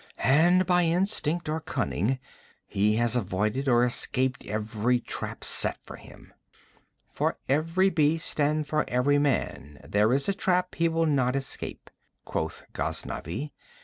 And, by instinct or cunning, he has avoided or escaped every trap set for him.' 'For every beast and for every man there is a trap he will not escape,' quoth Ghaznavi.